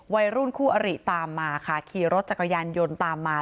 วัยรุ่นคู่อริตามมาค่ะขี่รถจักรยานยนต์ตามมา